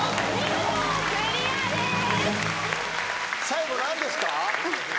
最後何ですか？